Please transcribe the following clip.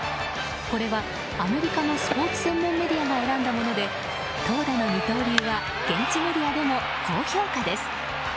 これは、アメリカのスポーツ専門メディアが選んだもので投打の二刀流は現地メディアでも高評価です。